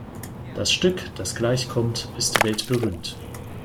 Das Stück, das gleich kommt, ist weltberühmt.